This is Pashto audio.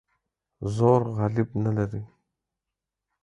زور غالب نه لري.